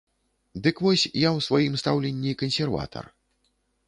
Дык вось, я ў сваім стаўленні кансерватар.